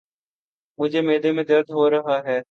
مجھے معدے میں درد ہو رہا ہے۔